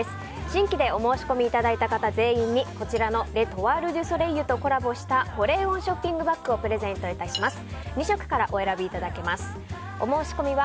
新規でお申し込みいただいた方全員に、こちらのレ・トワール・デュ・ソレイユとコラボした保冷温ショッピングバッグをプレゼント致します。